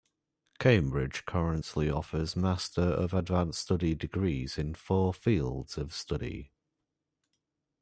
Cambridge currently offers master of advanced study degrees in four fields of study.